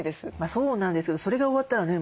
そうなんですけどそれが終わったらね